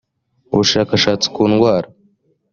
ubushakashatsi kundwara